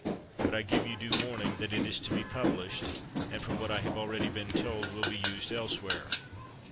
But I give you due warning that it is to be published, and, from what I have already been told, will be used elsewhere.